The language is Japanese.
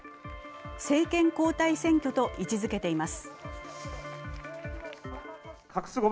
政権交代選挙と位置づけています。